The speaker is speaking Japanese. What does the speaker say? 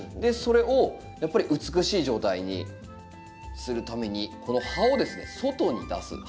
それをやっぱり美しい状態にするためにこの葉をですね外に出す。